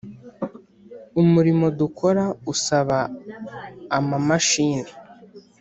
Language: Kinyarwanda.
umurimo dukora usaba ama mashini